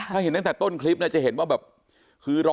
แข่งแต่ต้นคลิปได้เห็นว่าบ่คือรอ